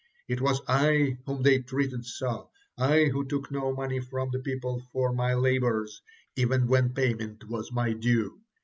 It was I whom they treated so, I who took no money from the people for my labors, even when payment was my due.